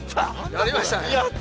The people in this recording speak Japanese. やりましたね。